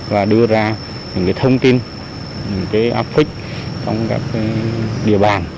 và đưa ra những thông tin áp phích trong các địa bàn